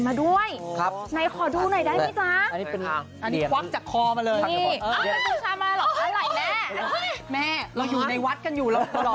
แม่เราอยู่ในวัดกันอยู่แล้ว